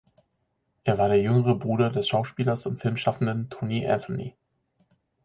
Er war der jüngere Bruder des Schauspielers und Filmschaffenden Tony Anthony.